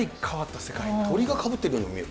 鳥がかぶっているようにも見える。